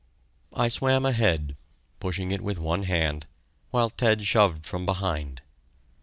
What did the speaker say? I swam ahead, pushing it with one hand, while Ted shoved from behind.